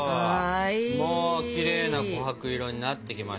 もうきれいな琥珀色になってきましたね。